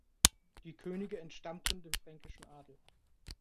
Die Könige entstammten dem fränkischen Adel.